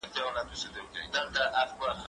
زه به سبا نان وخورم،